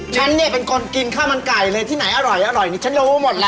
ฉันเนี่ยเป็นคนกินข้าวมันไก่เลยที่ไหนอร่อยนี่ฉันรู้หมดแล้ว